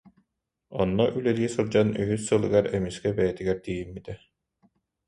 Онно үлэлии сылдьан үһүс сылыгар эмискэ бэйэтигэр тиийиммитэ